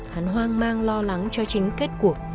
hắn hoang mang lo lắng cho chính kết cuộc